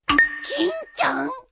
欽ちゃん！？